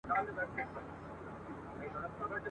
نو ګوربت ایله آګاه په دې اسرار سو ..